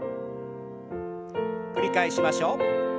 繰り返しましょう。